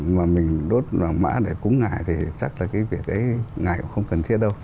mà mình đốt vào mã để cúng ngài thì chắc là cái việc đấy ngài cũng không cần thiết đâu